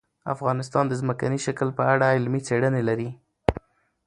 افغانستان د ځمکنی شکل په اړه علمي څېړنې لري.